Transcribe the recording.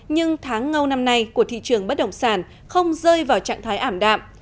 nhưng tháng ngâu năm nay của thị trường bất động sản không rơi vào trạng thái ảm đạm